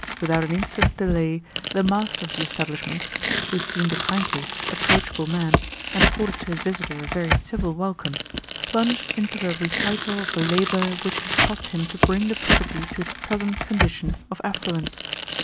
Without an instant's delay the master of the establishment who seemed a kindly, approachable man, and accorded to his visitor a very civil welcome plunged into a recital of the labour which it had cost him to bring the property to its present condition of affluence.